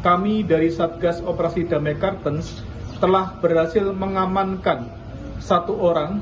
kami dari satgas operasi damai kartens telah berhasil mengamankan satu orang